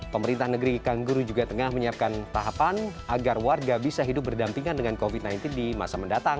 pemerintah negeri kangguru juga tengah menyiapkan tahapan agar warga bisa hidup berdampingan dengan covid sembilan belas di masa mendatang